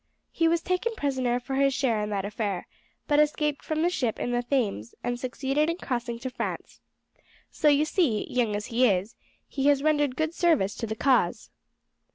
He was taken prisoner for his share in that affair, but escaped from the ship in the Thames, and succeeded in crossing to France. So you see, young as he is, he has rendered good service to the cause."